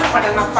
apa ada nampain